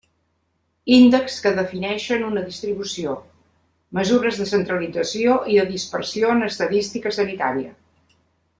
Índexs que defineixen una distribució: mesures de centralització i de dispersió en estadística sanitària.